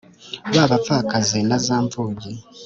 ba bapfakazi na za mpfubyi